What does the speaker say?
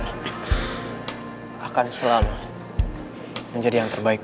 kau akan selalu menjadi yang terbaikku